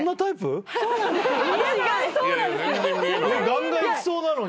がんがんいきそうなのに。